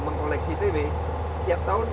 mengkoleksi vw setiap tahun